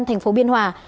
thành phố biên hòa